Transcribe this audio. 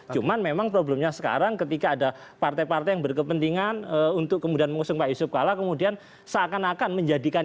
cuman memang problemnya sekarang ketika ada partai partai yang berkepentingan untuk kemudian mengusung pak yusuf kalla kemudian seakan akan menjadikan